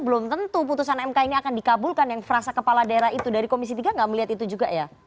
belum tentu putusan mk ini akan dikabulkan yang frasa kepala daerah itu dari komisi tiga nggak melihat itu juga ya